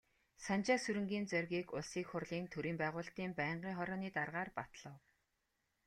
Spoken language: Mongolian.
Санжаасүрэнгийн Зоригийг Улсын Их Хурлын төрийн байгуулалтын байнгын хорооны даргаар батлав.